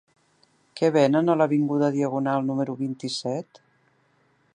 Què venen a l'avinguda Diagonal número vint-i-set?